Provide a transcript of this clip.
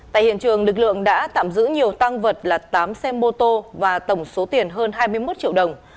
tại hiện trường lực lượng đã tạm giữ nhiều tăng vật là tám xe mô tô và tổng số tiền hơn hai mươi một triệu đồng